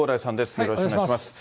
よろしくお願いします。